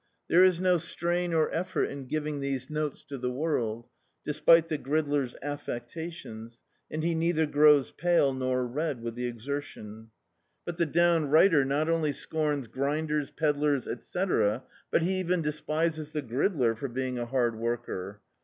There is no strain or effort in giving these notes to the world — despite the gridler's affectations — and he neither grows pale nor red with the exertitm. But the downrighter not only scorns grinders, ped lars, etc., but he even despises the gridler for being a hard worker.